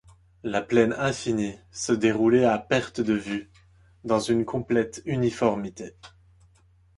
La plaine infinie se déroulait à perte de vue dans une complète uniformité.